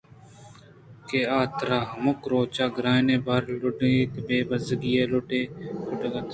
کہ آترا ہمک روچ گرٛانیں بار لڈّیتءُ بے بَزّگی لٹّءُ کُٹّ کنت